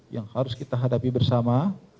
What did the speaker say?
yang harus kita hadapi bersama